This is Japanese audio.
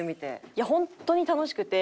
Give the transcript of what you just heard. いや本当に楽しくて。